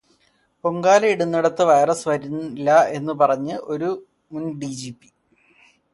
പൊങ്കാലയിടുന്നയിടത്ത് virus വരില്ല എന്നു പറഞ്ഞത് ഒരു മുൻ ഡിജിപി